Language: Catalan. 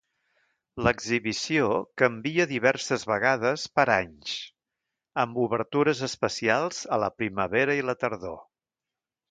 L'exhibició canvia diverses vegades per anys, amb obertures especials a la primavera i la tardor.